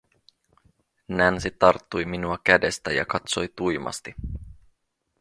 Nancy tarttui minua kädestä ja katsoi tuimasti.